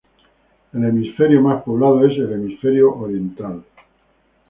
El hemisferio más poblado es el hemisferio oriental.